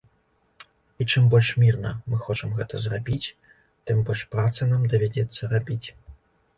І чым больш мірна мы хочам гэта зрабіць, тым больш працы нам давядзецца рабіць.